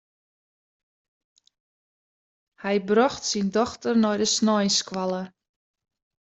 Hy brocht syn dochter nei de sneinsskoalle.